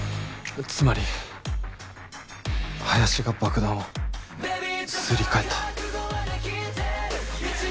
つまり林が爆弾をすり替えた。